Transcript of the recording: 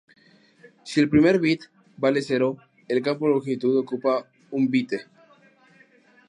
Si el primer bit vale cero, el campo longitud ocupa un byte.